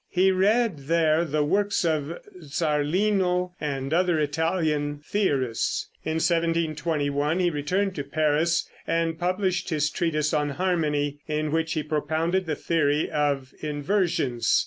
He read here the works of Zarlino, and other Italian theorists, and in 1721 he returned to Paris and published his treatise on harmony, in which he propounded the theory of inversions.